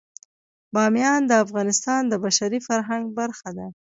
بامیان د افغانستان د بشري فرهنګ برخه ده.